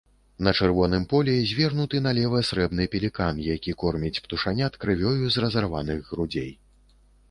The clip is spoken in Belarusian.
На чырвоным полі звернуты налева срэбны пелікан, які корміць птушанят крывёю з разарваных грудзей.